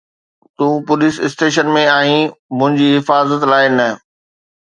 تون police station ۾ آهين، منهنجي حفاظت لاءِ نه.